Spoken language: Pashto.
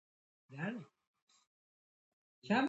دوی د انګریزانو څخه اوبه نیسي.